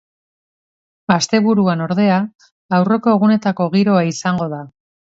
Asteburuan, ordea, aurreko egunetako giroa izango da.